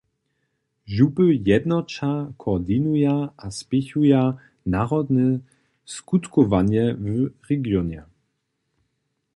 Župy jednoća, koordinuja a spěchuja narodne skutkowanje w regionje.